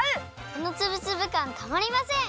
このつぶつぶかんたまりません！